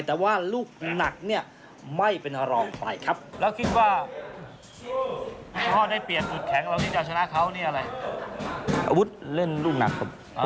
แต่ว่าลูกหนักนี่ไม่เป็นหลองไปครับ